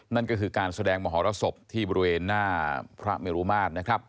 นั่นก็คือการแสดงมหรสบที่บริเวณหน้าพระเมรุมาตรนะครับ